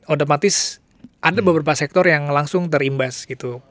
otomatis ada beberapa sektor yang langsung terimbas gitu